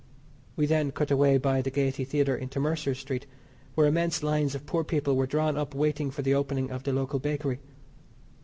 We then cut away by the Gaiety Theatre into Mercer's Street, where immense lines of poor people were drawn up waiting for the opening of the local bakery.